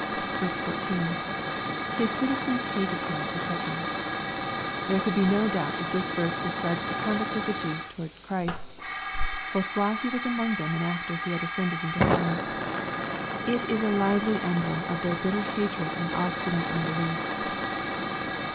14. — [Sis citizens haied him^ <fec.] There can be no doubt that this verse describes the conduct of the Jews towards Christ, both while He was among them and after He had ascended into heaven. It is a lively emblem of their bitter hatred and obstinate un belief.